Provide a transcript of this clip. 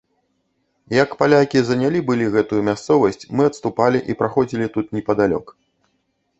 Як палякі занялі былі гэтую мясцовасць, мы адступалі і праходзілі тут непадалёк.